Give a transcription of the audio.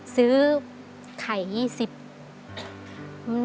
ซื้อไข่๒๐บาท